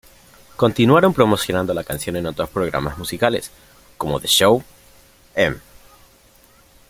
Continuaron promocionando la canción en otros programas musicales como "The Show", "M!